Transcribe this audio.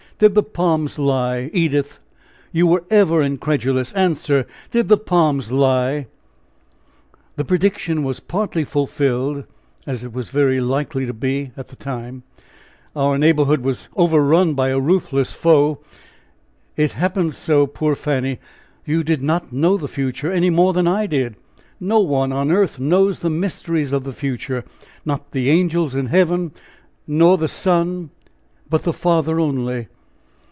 Did the palms lie, Edith? You were ever incredulous! Answer, did the palms lie?" "The prediction was partly fulfilled, as it was very likely to be at the time our neighborhood was overrun by a ruthless foe. It happened so, poor Fanny! You did not know the future, any more than I did no one on earth knows the mysteries of the future, 'not the angels in heaven, nor the Son, but the Father only.'"